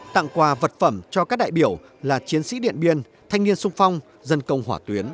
tặng quà vật phẩm cho các đại biểu là chiến sĩ điện biên thanh niên sung phong dân công hỏa tuyến